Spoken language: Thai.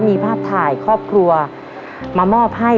มีภาพถ่ายครอบครัวมามอบให้